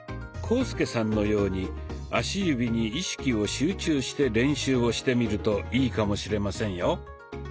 浩介さんのように足指に意識を集中して練習をしてみるといいかもしれませんよ。